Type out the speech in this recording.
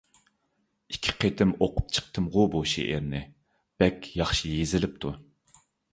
ئىككى قېتىم ئوقۇپ چىقتىمغۇ بۇ شېئىرنى، بەك ياخشى يېزىلىپتۇ.